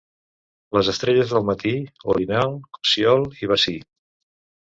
Les estrelles del matí: orinal, cossiol i bací.